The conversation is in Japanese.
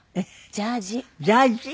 ジャージー。